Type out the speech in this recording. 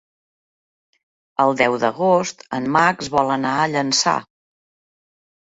El deu d'agost en Max vol anar a Llançà.